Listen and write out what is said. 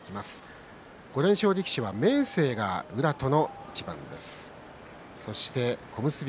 ５連勝力士は明生が宇良との一番。